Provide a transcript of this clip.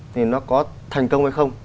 thì nó có thành công hay không